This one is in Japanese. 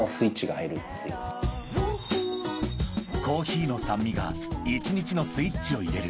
［コーヒーの酸味が一日のスイッチを入れる］